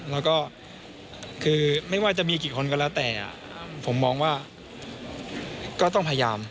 แล้วก็คือไม่ว่าจะมีกี่คนก็แล้วแต่ผมมองว่าก็ต้องพยายาม